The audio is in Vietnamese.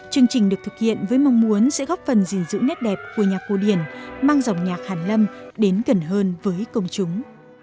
chương trình được thực hiện với mong muốn sẽ góp phần gìn giữ nét đẹp của nhạc cô điển mang dòng nhạc hàn lâm đến gần hơn với công chúng